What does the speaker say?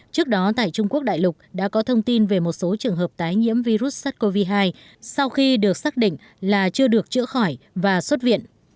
trước đó tại trung quốc đại lục đã có thông tin về một số trường hợp tái nhiễm virus sars cov hai sau khi được xác định là chưa được chữa khỏi và xuất viện